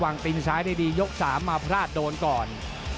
ตีนซ้ายได้ดียก๓มาพลาดโดนก่อน